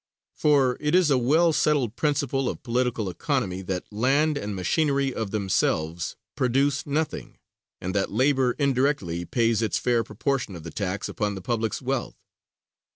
For it is a well settled principle of political economy, that land and machinery of themselves produce nothing, and that labor indirectly pays its fair proportion of the tax upon the public's wealth.